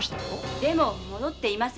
でも戻っていません。